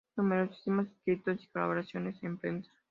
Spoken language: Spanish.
Numerosísimos escritos y colaboraciones en prensa.